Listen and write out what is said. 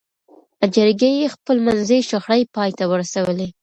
جرګې خپلمنځي شخړې پای ته ورسولې.